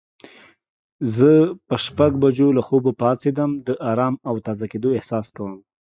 زه په شپږ بجو له خوبه پاڅیدم د آرام او تازه کیدو احساس کوم.